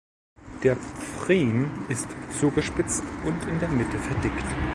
Der Pfriem ist zugespitzt und in der Mitte verdickt.